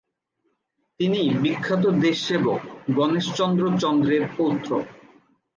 তিনি বিখ্যাত দেশসেবক গনেশচন্দ্র চন্দ্রের পৌত্র।